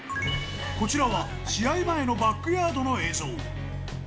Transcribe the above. こちらは試合前のバックヤードの映像。